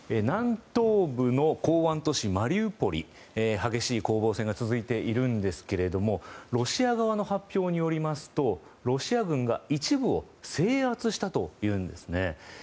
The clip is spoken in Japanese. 南東部の港湾都市マリウポリ激しい攻防戦が続いているんですけれどロシア側の発表によりますとロシア軍が一部を制圧したというんですね。